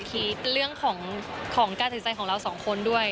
คิดเรื่องของการสินใจของเราสองคนด้วย